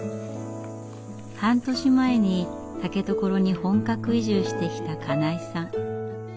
半年前に竹所に本格移住してきた金井さん。